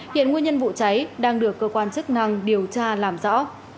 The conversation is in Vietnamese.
hiện nguyên nhân vụ cháy đang được cơ quan chức năng điều tra làm rõ